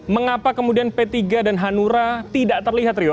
mengapa kemudian p tiga dan hanura tidak terlihat rio